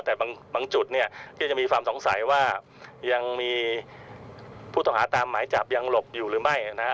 แต่บางจุดเนี่ยที่จะมีความสงสัยว่ายังมีผู้ต้องหาตามหมายจับยังหลบอยู่หรือไม่นะฮะ